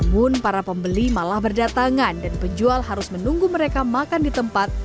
namun para pembeli malah berdatangan dan penjual harus menunggu mereka makan di tempat